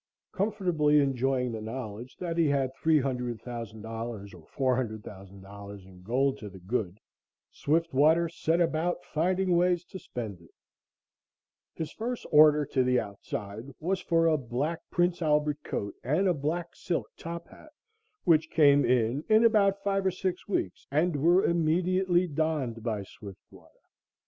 Comfortably enjoying the knowledge that he had $300,000 or $400,000 in gold to the good, Swiftwater set about finding ways to spend it. His first order "to the outside" was for a black Prince Albert coat and a black silk top hat, which came in in about five or six weeks and were immediately donned by Swiftwater.